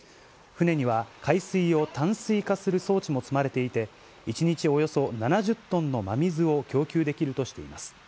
船には海水を淡水化する装置も積まれていて、１日およそ７０トンの真水を供給できるとしています。